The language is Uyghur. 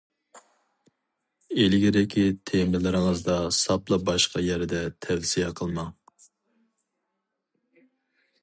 ئىلگىرىكى تېمىلىرىڭىزدا ساپلا باشقا يەردە تەۋسىيە قىلماڭ!